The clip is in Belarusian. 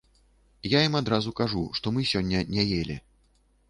Я ім адразу кажу, што мы сёння не елі.